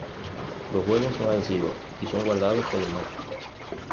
Los huevos son adhesivos y son guardados por el macho.